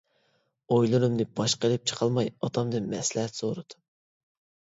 ئويلىرىمنى باشقا ئىلىپ چىقالماي ئاتامدىن مەسلىھەت سورىدىم.